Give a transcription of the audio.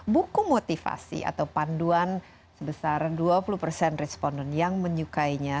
buku motivasi atau panduan sebesar dua puluh persen responden yang menyukainya